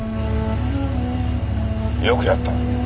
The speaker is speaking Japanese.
よくやった。